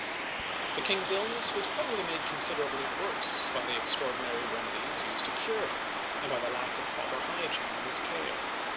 The king's illness was probably made considerably worse by the extraordinary remedies used to cure him, and by the lack of proper hygiene in his care.